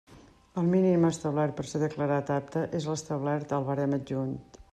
El mínim establert per ser declarat apte és l'establert al barem adjunt.